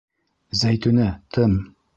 Зәйтүнә, тым...